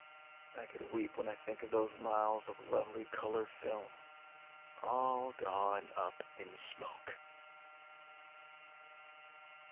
I could weep when I think of those miles of lovely color film, all gone up in smoke.